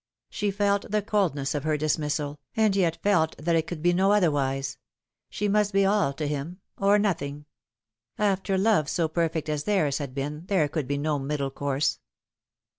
She felt the coldness of her dismissal, and yet felt that it could be no otherwise. She must be all to him or nothing. After love so perfect as theirs had been there could be no middle course.